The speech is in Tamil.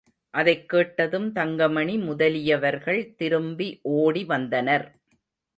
அதைக் கேட்டதும் தங்கமணி முதலியவர்கள் திரும்பி ஓடி வந்தனர்.